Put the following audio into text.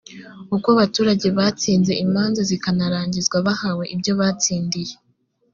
uko baturage batsinze imanza zikanarangizwa bahawe ibyo batsindiye